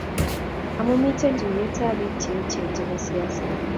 amu miten tuiyetab biik cheechen chebo siaset